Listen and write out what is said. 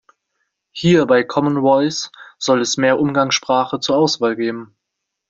Hier bei Common Voice sollte es mehr Umgangssprache zur Auswahl geben.